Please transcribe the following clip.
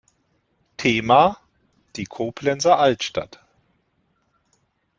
Thema: „Die Koblenzer Altstadt.